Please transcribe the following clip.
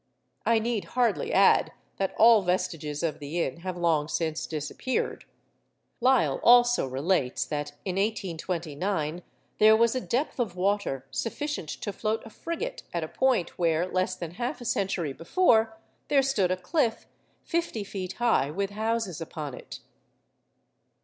I need hardly add that all vestiges of the inn have long since disappeared. Lyell also relates that, in 1829, there was a depth of water sufficient to float a frigate at a point where, less than half a century before, there stood a cliff fifty feet high with houses upon it.